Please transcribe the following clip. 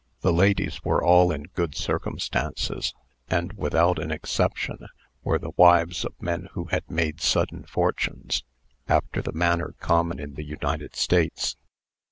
The ladies were all in good circumstances, and, without an exception, were the wives of men who had made sudden fortunes, after the manner common in the United States.